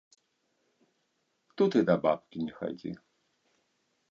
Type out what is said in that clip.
Тут і да бабкі не хадзі.